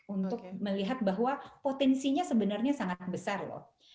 untuk melihat bahwa potensinya sebenarnya sangat besar loh